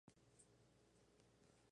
Un mes antes de iniciarse el Festival Mr.